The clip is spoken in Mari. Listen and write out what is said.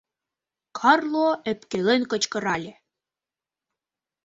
— Карло ӧпкелен кычкырале.